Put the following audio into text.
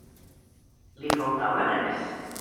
Li faltava res?